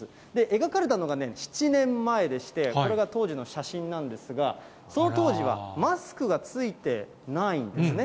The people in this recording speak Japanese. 描かれたのが７年前でして、これが当時の写真なんですが、その当時はマスクが着いてないんですね。